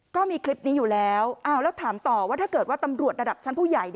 ก็มีคลิปนี้อยู่แล้วแล้วถามต่อว่าถ้าเกิดว่าตำรวจระดับชั้นผู้ใหญ่